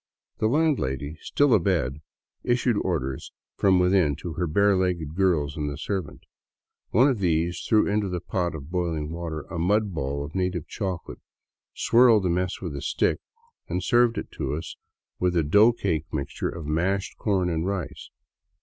The landlady, still abed, issued orders from within to her bare legged girls and the servant. One of these threw into a pot of boiling water a mud ball of native chocolate, swirled the mess with a stick, and served it to us with a dough cake mixture of mashed corn and rice.